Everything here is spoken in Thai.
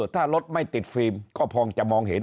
ถ้ารถไม่ติดฟิล์มก็พอจะมองเห็น